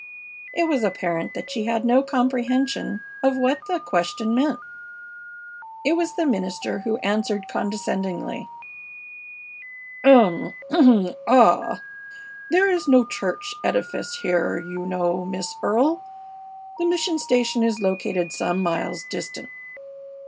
It was apparent that she had no comprehension of what the question meant. It was the minister who answered, condescendingly: "Um! Ah! There is no church edifice here, you know, Miss Earle. The mission station is located some miles distant."